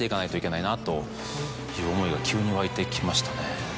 という思いが急に湧いてきましたね。